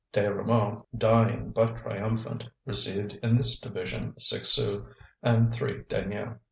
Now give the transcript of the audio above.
Desrumaux, dying but triumphant, received in this division six sous and three deniers.